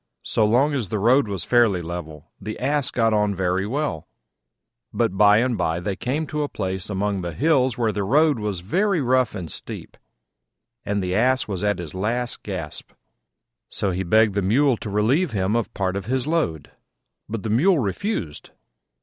So long as the road was fairly level, the Ass got on very well: but by and by they came to a place among the hills where the road was very rough and steep, and the Ass was at his last gasp. So he begged the Mule to relieve him of a part of his load: but the Mule refused.